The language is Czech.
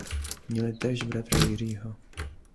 Měli též bratra Jiřího.